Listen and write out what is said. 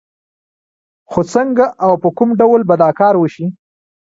خو څنګه او په کوم ډول به دا کار وشي؟